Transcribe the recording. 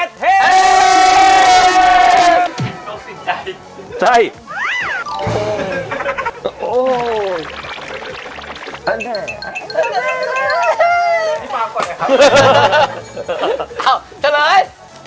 โจมติดเป็นวันนี้หายไปเลย